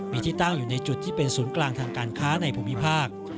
มีที่ตั้งอยู่ในจุดที่เป็นศูนย์กลางทางการค้าในภูมิภาค